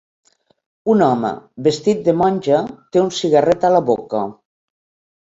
Un home vestit de monja té un cigarret a la boca.